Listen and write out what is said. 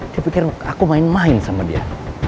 dia pikir aku main main sama dia